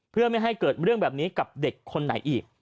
เพื่อไม่ให้เกิดเรื่องแบบนี้กับเด็กคนไหนอีก